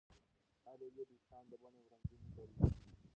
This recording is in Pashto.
هر یو یې د اسلام د بڼ یو رنګین ګل و.